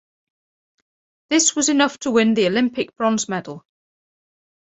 This was enough to win the Olympic bronze medal.